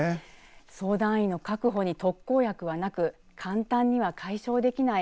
相談員の確保に特効薬はなく簡単には解消できない